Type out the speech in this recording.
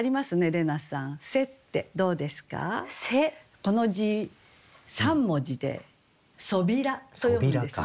この字３文字で「そびら」と読むんですね。